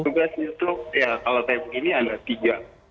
bertugas itu kalau kayak begini ada tiga